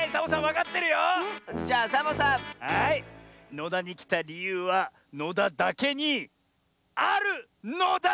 野田にきたりゆうは野田だけにあるのだ！